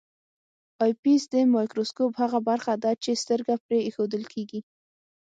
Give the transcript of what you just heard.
آی پیس د مایکروسکوپ هغه برخه ده چې سترګه پرې ایښودل کیږي.